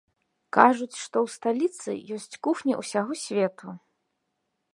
Кажуць, што ў сталіцы ёсць кухні ўсяго свету.